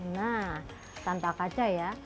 nah tanpa kaca ya